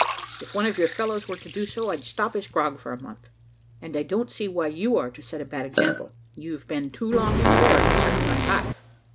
If one of your fellows were to do so, I'd stop his grog for a month, and I don't see why you are to set a bad example; you've been too long in barracks, sir, by half.